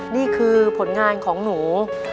นี่คือผลงานของหนู